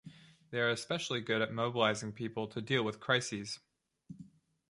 They are especially good at mobilizing people to deal with crises.